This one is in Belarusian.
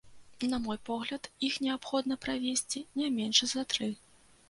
На мой погляд, іх неабходна правесці не менш за тры.